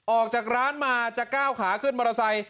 ออกจากร้านมาจะก้าวขาขึ้นมอเตอร์ไซค